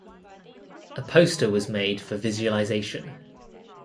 A poster was made for visualisation.